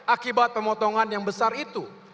akibat pemotongan yang besar itu